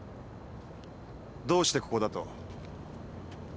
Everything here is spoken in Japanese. どうしてここだと？